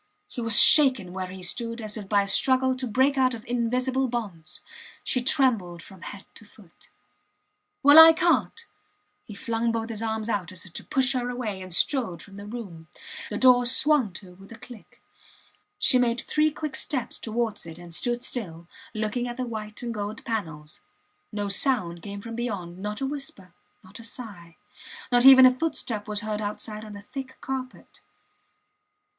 He was shaken where he stood as if by a struggle to break out of invisible bonds. She trembled from head to foot. Well, I cant! He flung both his arms out, as if to push her away, and strode from the room. The door swung to with a click. She made three quick steps towards it and stood still, looking at the white and gold panels. No sound came from beyond, not a whisper, not a sigh; not even a footstep was heard outside on the thick carpet.